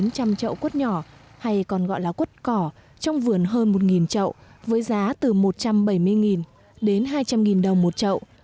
có người trả ba trăm linh trậu quất nhỏ hay còn gọi là quất cỏ trong vườn hơn một trậu với giá từ một trăm bảy mươi đến hai trăm linh đồng một trậu